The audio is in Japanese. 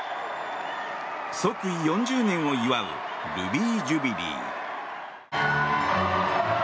即位４０年を祝うルビー・ジュビリー。